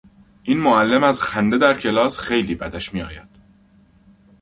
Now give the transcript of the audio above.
این معلم از خنده در کلاس خیلی بدش میآید.